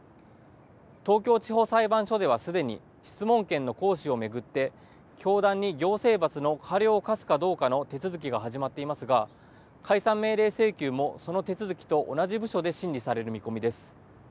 東京地方裁判所ではすでに質問権の行使を巡って教団に行政罰の過料を科すかどうかの手続きが始まっていますが解散命令請求もその手続きと同じ部署で審理される見込みです。